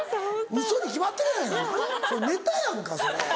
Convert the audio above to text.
ウソに決まってるやないかネタやんかそれ。